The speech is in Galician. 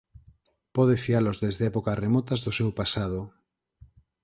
Pode fialos desde épocas remotas do seu pasado.